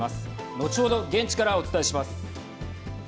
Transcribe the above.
後ほど現地からお伝えします。